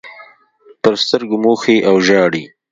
پر سترګو موښي او ژاړي.